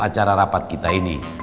acara rapat kita ini